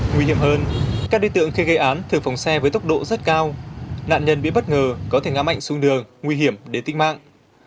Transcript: nguy hiểm hơn các đối tượng khi gây án thường phóng xe với tốc độ rất cao nạn nhân bị bất ngờ có thể ngã mạnh xuống đường nguy hiểm đến tích mạng